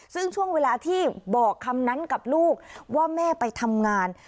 ซึ่งช่วงเวลาที่บอกคำนั้นกับลูกว่าแม่ไปทำงาน